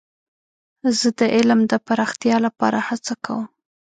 زه د علم د پراختیا لپاره هڅه کوم.